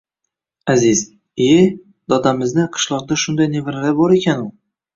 Aziz: iye dodamizi qishloqda shundo navaralari borakanu